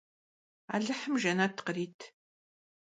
Alıhım jjenet khırit.